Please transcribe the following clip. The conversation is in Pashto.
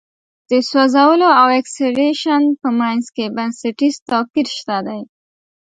د سوځولو او اکسیدیشن په منځ کې بنسټیز توپیر شته دی.